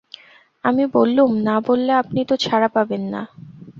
আমি বললুম, না বললে আপনি তো ছাড়া পাবেন না।